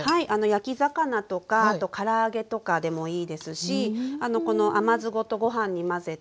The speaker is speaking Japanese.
焼き魚とかから揚げとかでもいいですしこの甘酢ごとご飯に混ぜて酢飯っぽくして。